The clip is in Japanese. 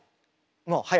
もう早い。